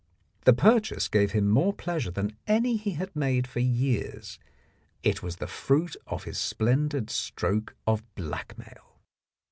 The purchase gave him more pleasure than any he had made for years : it was the fruit of his splendid stroke of blackmail.